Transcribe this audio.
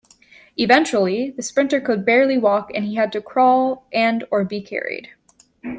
Eventually, the sprinter could barely walk and had to crawl and or be carried.